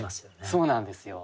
そうなんですよ。